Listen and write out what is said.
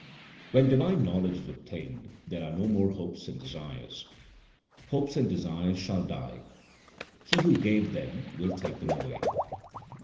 When divine knowledge is obtained there are no more hopes and desires :— Hopes and desires shall die ; He who gave them will take them away.